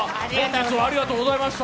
師匠、ありがとうございました。